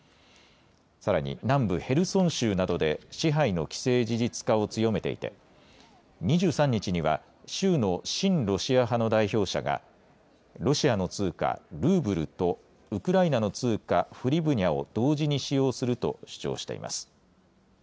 さらに南部ヘルソン州などで支配の既成事実化を強めていて２３日には州の親ロシア派の代表者がロシアの通貨ルーブルとウクライナの通貨フリブニャを同時に使用すると主張しています。